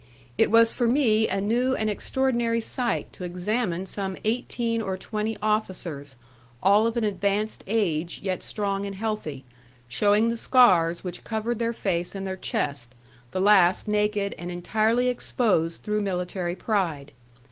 It was for me a new and extraordinary sight to examine some eighteen or twenty officers, all of an advanced age, yet strong and healthy, shewing the scars which covered their face and their chest, the last naked and entirely exposed through military pride.